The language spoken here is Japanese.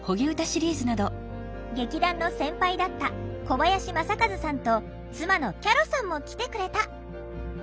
劇団の先輩だった小林正和さんと妻のキャ呂さんも来てくれた！